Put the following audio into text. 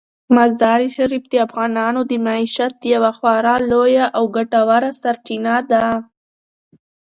مزارشریف د افغانانو د معیشت یوه خورا لویه او ګټوره سرچینه ده.